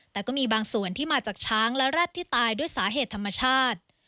แต่ก็มีบางส่วนที่มาจากช้างและแร็ดที่ตายด้วยสาเหตุธรรมชาติ